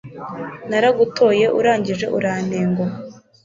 Naragutoye urangije urantenguha